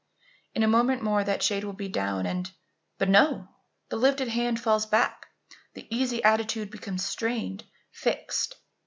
In a moment more that shade will be down and But no! the lifted hand falls back; the easy attitude becomes strained, fixed.